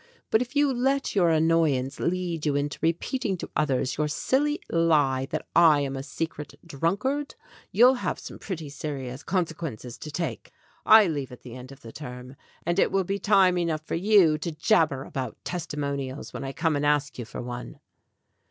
But if you let your annoyance lead you into repeating to others your silly lie that I am a secret drunkard, you'll have some pretty serious consequences to take. I leave at the end of the term, and it will be time enough for you to jabber about testimonials when I come and ask you for one."